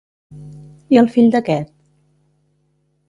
I el fill d'aquest?